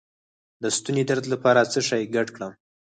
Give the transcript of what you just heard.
د ستوني درد لپاره څه شی ګډ کړم؟